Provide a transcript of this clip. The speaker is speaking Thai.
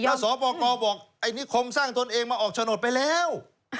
แล้วสปกรบอกไอ้นิคมสร้างตนเองมาออกโฉนดไปแล้ว